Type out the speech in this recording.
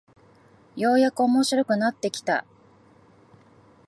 ようやく面白くなってきた